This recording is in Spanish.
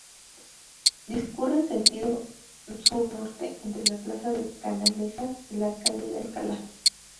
Discurre en sentido sur-norte entre la plaza de Canalejas y la calle de Alcalá.